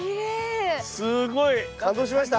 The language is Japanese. すごい。感動しました？